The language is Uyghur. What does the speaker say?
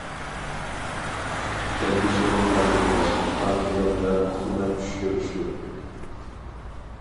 كەلگۈسىنى ئارزۇلاش، خام خىيال ۋە ئۇخلىماي چۈش كۆرۈشتۇر.